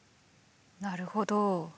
なるほど。